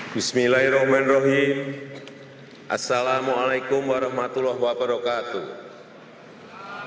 bismillahirrahmanirrahim assalamu'alaikum warahmatullahi wabarakatuh